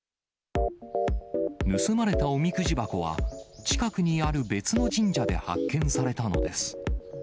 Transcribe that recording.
盗まれたおみくじ箱は、近くにある別の神社で発見されたのです。